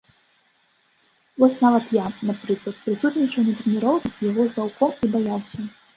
Вось нават я, напрыклад, прысутнічаў на трэніроўцы яго з ваўком і баяўся.